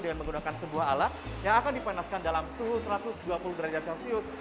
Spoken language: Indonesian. dengan menggunakan sebuah alat yang akan dipanaskan dalam suhu satu ratus dua puluh derajat celcius